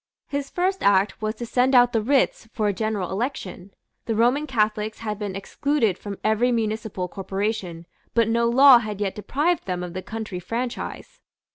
His first act was to send out the writs for a general election. The Roman Catholics had been excluded from every municipal corporation; but no law had yet deprived them of the county franchise.